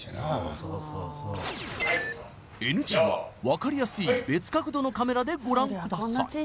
そうそうそうそうＮＧは分かりやすい別角度のカメラでご覧ください